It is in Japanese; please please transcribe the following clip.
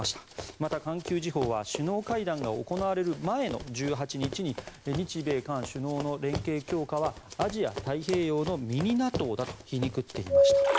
また、環球時報は首脳会談が行われる前の１８日に日米韓首脳の連携強化はアジア太平洋のミニＮＡＴＯだと皮肉っていました。